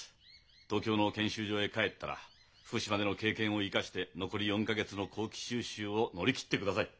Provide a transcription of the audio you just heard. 東京の研修所へ帰ったら福島での経験を生かして残り４か月の後期修習を乗り切ってください。